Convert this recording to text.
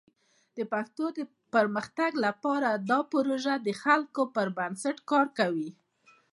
د پښتو د پرمختګ لپاره دا پروژه د خلکو پر بنسټ کار کوي.